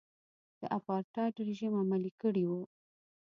د اپارټایډ رژیم عملي کړی و.